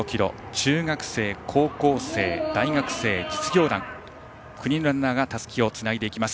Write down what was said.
中学生、高校生、大学生、実業団９人のランナーがたすきをつなぎます。